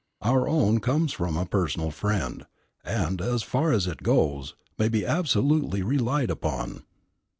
Our own comes from a personal friend, and, as far as it goes, may be absolutely relied upon."